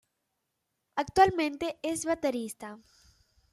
Actualmente es baterista.